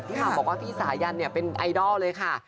หม่ำบอกว่าพี่สายันเป็นไอดอลเลยค่ะ